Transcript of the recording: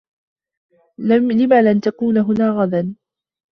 لم لن تكون هنا غدا؟